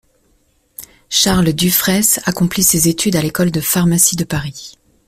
Charles Dufraisse accomplit ses études à l'École de pharmacie de Paris.